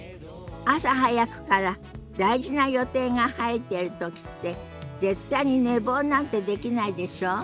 朝早くから大事な予定が入ってる時って絶対に寝坊なんてできないでしょ？